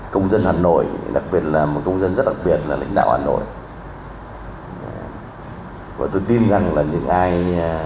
công dân hà nội đặc biệt là một công dân rất đặc biệt là lãnh đạo hà nội và tôi tin rằng là những ai